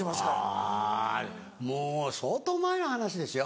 あぁもう相当前の話ですよ。